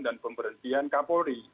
dan pemberhentian k polri